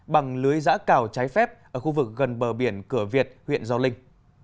bằng lưới dã cào trái phép ở khu vực gần bờ biển cửa việt huyện giao linh